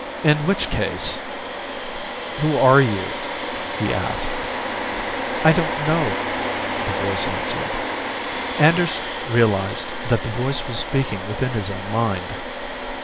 In which case "Who are you?" he asked. "I don't know," the voice answered. Anders realized that the voice was speaking within his own mind.